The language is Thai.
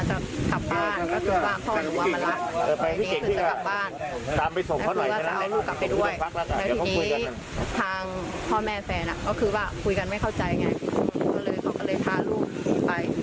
ทั้งฝ่ายย่าแล้วก็อดิตลูกสะพายหรือว่าแม่ของเด็กค่ะ